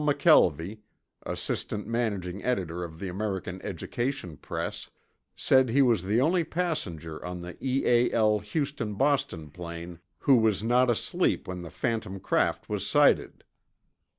McKelvie, assistant managing editor of the American Education Press, said he was the only passenger on the EAL Houston Boston plane who was not asleep when the phantom craft was sighted.